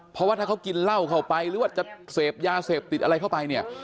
เพราะว่าถ้าเขากินเหล้าเข้าไปหรือว่าจะเสพยาเสพติดอะไรเข้าไปเนี่ย